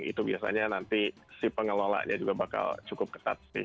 itu biasanya nanti si pengelolanya juga bakal cukup ketat sih